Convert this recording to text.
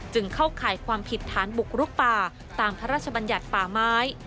เข้าข่ายความผิดฐานบุกรุกป่าตามพระราชบัญญัติป่าไม้